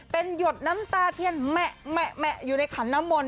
เป็นหยดน้ำตาเทียนแหมะอยู่ในขันน้ำมนต